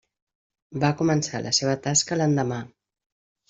Va començar la seva tasca l'endemà.